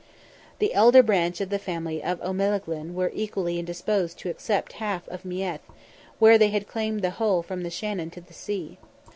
The elder branch of the family of O'Melaghlin were equally indisposed to accept half of Meath, where they had claimed the whole from the Shannon to the sea.